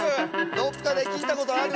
どっかで聴いたことある？